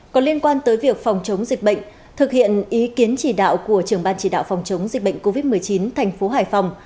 còn liên quan tới việc phòng chống dịch bệnh thực hiện ý kiến chỉ đạo của trưởng ban chỉ đạo phòng chống dịch bệnh covid một mươi chín thành phố hải phòng